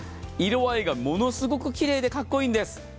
色合いがものすごくきれいでかっこいいんです。